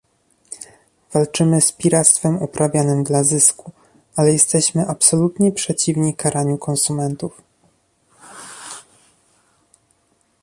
Walczymy z piractwem uprawianym dla zysku, ale jesteśmy absolutnie przeciwni karaniu konsumentów